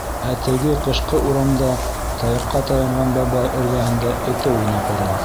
— Ә теге ҡышҡы урамда таяҡҡа таянған бабай, эргәһендә эте уйнап бара.